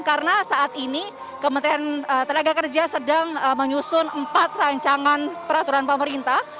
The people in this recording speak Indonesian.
karena saat ini kementerian tenaga kerja sedang menyusun empat rancangan peraturan pemerintah